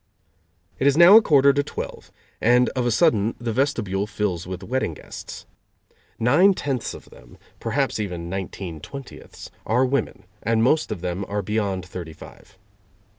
It is now a quarter to twelve, and of a sudden the vestibule fills with wedding guests. Nine tenths of them, perhaps even nineteen twentieths, are women, and most of them are beyond thirty five.